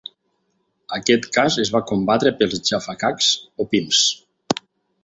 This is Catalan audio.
Aquest cas es va combatre pels Jaffa Cakes o Pim's.